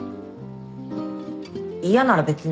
嫌なら別に